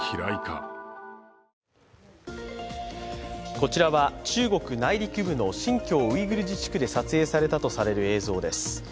こちらは、中国内陸部の新疆ウイグル自治区で撮影されたとされる映像です。